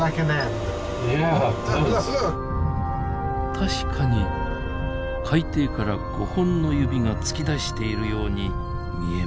確かに海底から５本の指が突き出しているように見えますねえ。